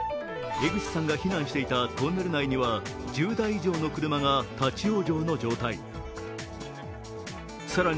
江口さんが避難していたトンネル内には１０台以上の車が立往生の状態に。